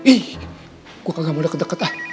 ih gua kagak mau deket deket ah